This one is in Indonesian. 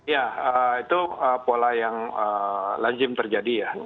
ya itu pola yang lazim terjadi ya